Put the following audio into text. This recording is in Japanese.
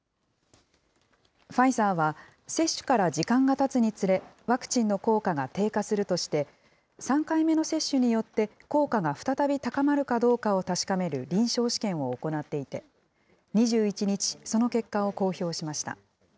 ファイザーは、接種から時間がたつにつれ、ワクチンの効果が低下するとして、３回目の接種によって効果が再び高まるかどうかを確かめる臨床試験を行っていて、２１日、その結果を公表しました。